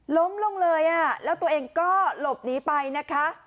ล้มลงเลยแล้วตัวเองก็หลบหนีไปนะคะ